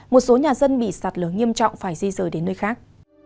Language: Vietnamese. một số nhà dân bị sạt lở nghiêm trọng phải di rời đến nơi khác